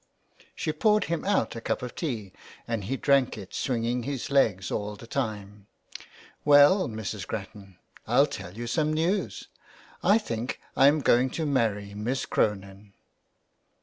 She poured him out a cup of tea and he drank it, swinging his legs all the time. " Well, Mrs. Grattan, Pll tell you some news — I think I am going to marry Miss Cronin.''